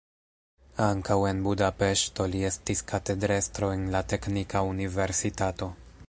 Ankaŭ en Budapeŝto li estis katedrestro en la teknika universitato.